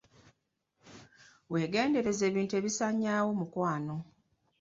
Weegendereze ebintu ebisanyaawo omukwano.